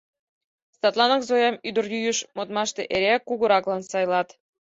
Садланак Зоям ӱдырйӱыш модмаште эреак кугураклан сайлат.